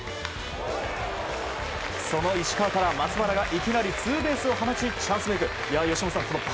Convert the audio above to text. その石川から松原がいきなりツーベースを放ちチャンスメイク。